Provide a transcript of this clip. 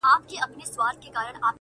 پر وظیفه عسکر ولاړ دی تلاوت کوي!!